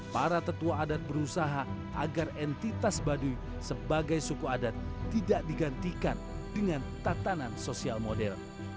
para tetua adat berusaha agar entitas baduy sebagai suku adat tidak digantikan dengan tatanan sosial model